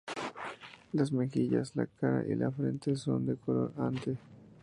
Las mejillas, la cara y la frente son de color ante.